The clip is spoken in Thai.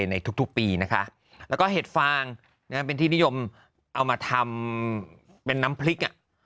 ในทุกปีนะคะแล้วก็เห็ดฟางเป็นที่นิยมเอามาทำเป็นน้ำพริกอ่ะ